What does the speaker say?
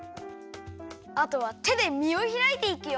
あとはてでみをひらいていくよ。